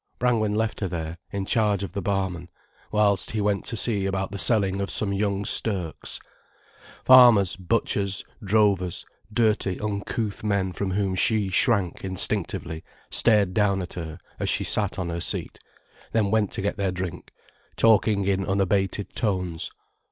Brangwen left her there, in charge of the barman, whilst he went to see about the selling of some young stirks. Farmers, butchers, drovers, dirty, uncouth men from whom she shrank instinctively stared down at her as she sat on her seat, then went to get their drink, talking in unabated tones.